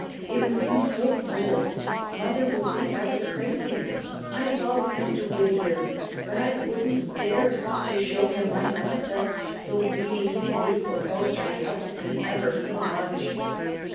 It would be so bold, Mother would think I was crazy. I love Mr. Whittier, but I wouldn't dar'st to show him my nonsense, though reading his beautiful poetry helps me ever so much."